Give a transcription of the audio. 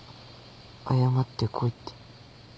謝ってこいって。